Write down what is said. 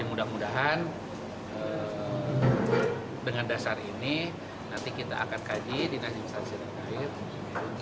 jadi mudah mudahan dengan dasar ini nanti kita akan kaji di nasional sisi rakyat